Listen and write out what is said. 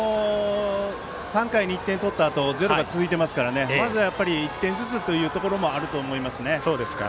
３回に１点取ったあとゼロが続いていますからまずは１点ずつというところもあると思います。